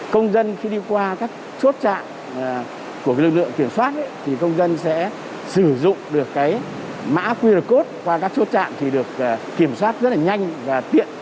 công dân khi đi qua các chốt trạng của lực lượng kiểm soát thì công dân sẽ sử dụng được cái mã qr code qua các chốt chạm thì được kiểm soát rất là nhanh và tiện